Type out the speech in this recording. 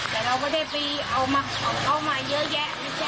แต่เราก็ได้ไปเอามาเยอะแยะนี่แหละ